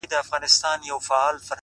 o د کسمیر لوري د کابل او د ګواه لوري؛